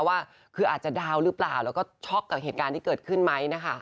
ว่าคืออาจจะดาวน์หรือเปล่าแล้วก็ช็อกกับเหตุการณ์ที่เกิดขึ้นไหมนะคะ